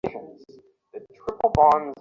জানি না ওই জিনিসটাকে মারা সম্ভব কিনা।